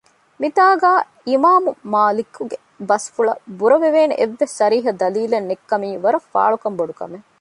މިތާގައި އިމާމުމާލިކުގެ ބަސްފުޅަށް ބުރަވެވޭނެ އެއްވެސް ޞަރީޙަ ދަލީލެއް ނެތްކަމީ ވަރަށް ފާޅުކަން ބޮޑުކަމެއް